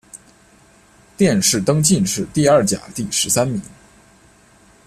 殿试登进士第二甲第十三名。